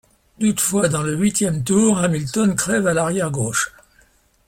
Toutefois, dans le huitième tour, Hamilton crève à l'arrière gauche.